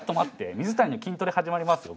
水谷筋トレ始まりますよ